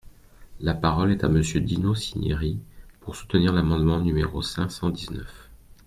La parole est à Monsieur Dino Cinieri, pour soutenir l’amendement numéro cinq cent dix-neuf.